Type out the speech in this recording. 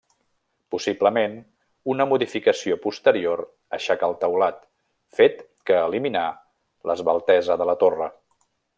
Possiblement, una modificació posterior aixecà el teulat, fet que eliminà l'esveltesa de la torre.